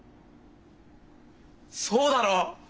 そうだろ？